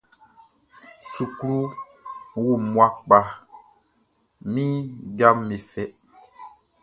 Sukluʼn wo mmua kpa, min jaʼm be fɛ.